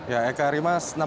ya eka rimas